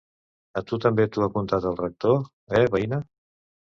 A tu també t'ho ha contat el rector, eh veïna?